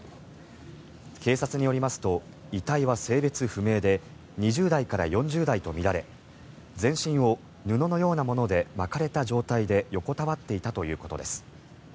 警察によりますと遺体は性別不明で２０代から４０代とみられ全身を布のようなもので巻かれた状態で横たわっていたということです。